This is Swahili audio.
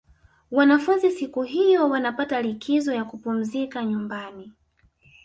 wanafunzi siku hiyo wanapata likizo ya kupumzika nyumbani